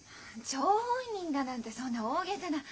張本人だなんてそんな大げさな。